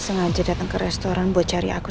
sengaja datang ke restoran buat cari aku